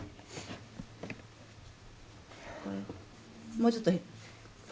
もうちょっとこう。